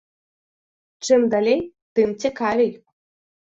Чым далей, тым цікавей.